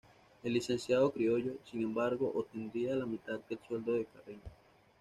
El licenciado criollo, sin embargo, obtendría la mitad del sueldo de Carreño.